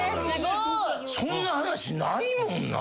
そんな話ないもんな。